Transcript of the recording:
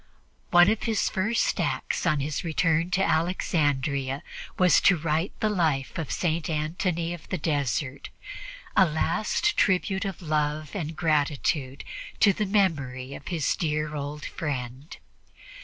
One of his first acts on his return to Alexandria was to write the life of St. Antony of the Desert, a last tribute of love and gratitude to the memory of his dear old friend.